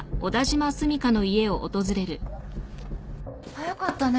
早かったね。